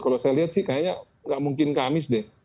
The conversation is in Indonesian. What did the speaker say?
kalau saya lihat sih kayaknya nggak mungkin kamis deh